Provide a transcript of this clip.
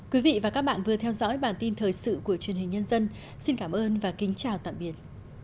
quý vị và các bạn vừa theo dõi bản tin thời sự của truyền hình nhân dân xin cảm ơn và kính chào tạm biệt